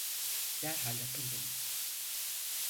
Derhal atıldım: